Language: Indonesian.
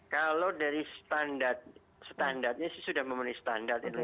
kalau dari standar standarnya sih sudah memenuhi standar indonesia sudah ada probably